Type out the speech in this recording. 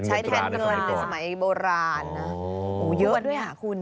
มันเป็นเงินตราในสมัยเบียงบัวราณ